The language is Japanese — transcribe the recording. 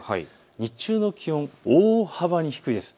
日中の気温、大幅に低いです。